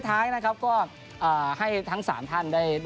ท้ายเองก็เก่าไง